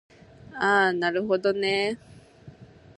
あなるほどね